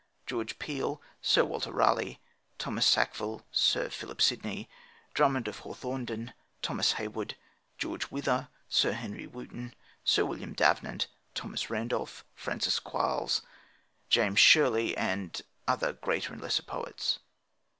George Peele, Sir Walter Raleigh, Thomas Sackville, Sir Philip Sidney, Drummond of Hawthornden, Thomas Heywood, George Wither, Sir Henry Wotton, Sir William Davenant, Thomas Randolph, Frances Quarles, James Shirley, and other greater and lesser poets.